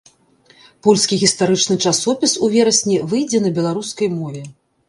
Польскі гістарычны часопіс у верасні выйдзе на беларускай мове.